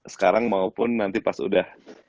sekarang maupun nanti pas udah